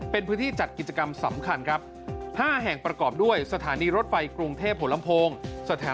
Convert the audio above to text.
เป็นพื้นที่จัดกิจกรรมสำคัญครับ๕แห่งประกอบด้วยสถานีรถไฟกรุงเทพหัวลำโพง